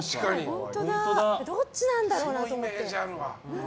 どっちなんだろうなと思って。